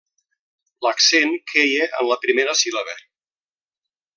L'accent queia en la primera síl·laba.